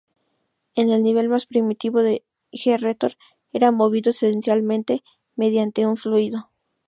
En el nivel más primitivo, un Ge-rotor era movido esencialmente mediante un fluido.